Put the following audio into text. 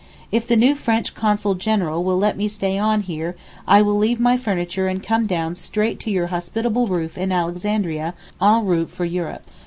If the new French Consul General will let me stay on here I will leave my furniture and come down straight to your hospitable roof in Alexandria en route for Europe.